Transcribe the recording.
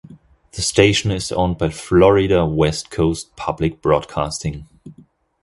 The station is owned by Florida West Coast Public Broadcasting.